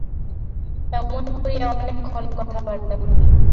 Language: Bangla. এমনি করিয়া অনেকক্ষণ কথাবার্তা হইল।